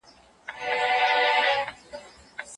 که ښه تدریس وي نو زده کوونکي نه بې سواده کیږي.